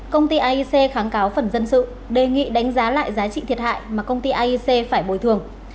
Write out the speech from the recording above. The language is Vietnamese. công ty aic kháng cáo phần dân sự đề nghị đánh giá lại giá trị thiệt hại mà công ty aic phải bồi thường